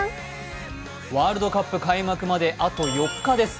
ワールドカップ開幕まであと４日です。